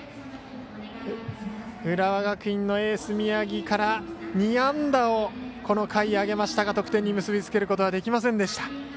浦和学院のエース、宮城から２安打を、この回あげましたが得点に結び付けることはできませんでした。